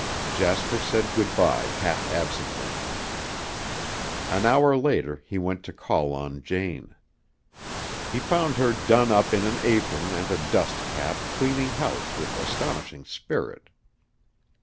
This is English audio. Jasper said good bye half absently. An hour later he went to call on Jane. He found her done up in an apron and a dust cap cleaning house with astonishing spirit.